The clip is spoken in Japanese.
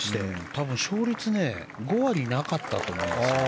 多分勝率５割なかったと思いますよ。